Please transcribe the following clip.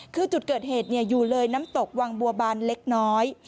คือจุดเกิดเหตุอยู่เลยน้ำตกวังบัวบานเล็กน้อย